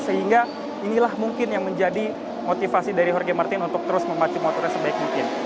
sehingga inilah mungkin yang menjadi motivasi dari jorge martin untuk terus memacu motornya sebaik mungkin